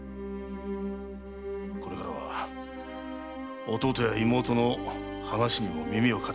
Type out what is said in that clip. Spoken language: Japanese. これからは弟や妹の話にも耳を傾けてやれ。